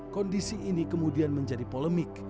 kondisi ini kemudian menjadi polemik